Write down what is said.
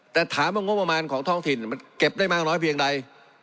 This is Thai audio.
แต่ถามว่างบประมาณของท้องถิ่นมันเก็บได้มากน้อยเพียงใด